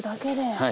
はい。